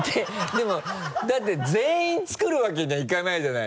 でもだって全員作るわけにはいかないじゃないですか。